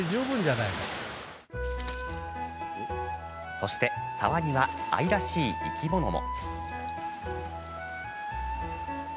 そして沢には、愛らしい生き物も。